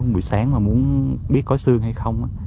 mùa sáng mà muốn biết có sương hay không